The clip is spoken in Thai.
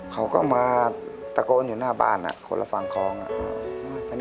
เขาก็มาตะโกนอยู่หน้าบ้านคนละฝั่งคลองอ่ะ